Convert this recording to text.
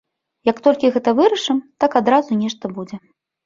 Як толькі гэта вырашым, так адразу нешта будзе.